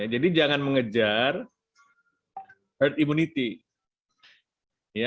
jadi jangan mengejar herd immunity